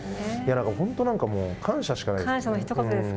本当なんか感謝しかないです。